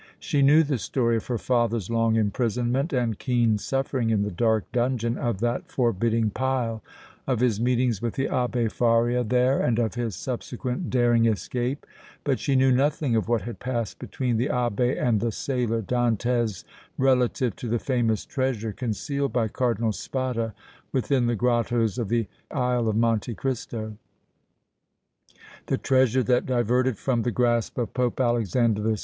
She knew the story of her father's long imprisonment and keen suffering in the dark dungeon of that forbidding pile, of his meetings with the Abbé Faria there and of his subsequent daring escape; but she knew nothing of what had passed between the Abbé and the sailor Dantès relative to the famous treasure concealed by Cardinal Spada within the grottoes of the Isle of Monte Cristo, the treasure that diverted from the grasp of Pope Alexander VI.